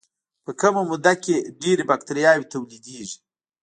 په کمه موده کې ډېرې باکتریاوې تولیدوي.